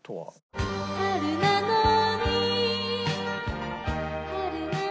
「春なのに春なのに」